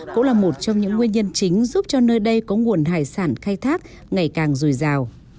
cũng là một trong những nguyên nhân chính giúp cho nơi đây có nguồn hải sản khai thác ngày càng dồi dào